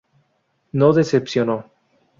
No decepcionó.